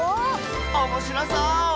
おもしろそう！